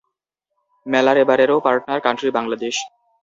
মেলার এবারেরও partner country Bangladesh.